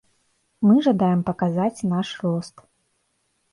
Мы жадаем паказаць наш рост.